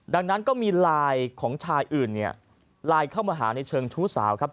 ดังนั้นก็มีลายของชายอื่นลายเข้ามาหาในเชิงชูสาวครับ